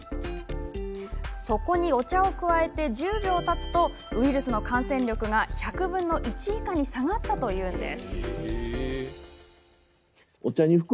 そこにお茶を加え、１０秒たつとウイルスの感染力が１００分の１以下に下がったというのです。